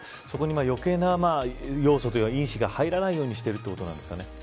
そこに余計な因子が入らないようにしているということですかね。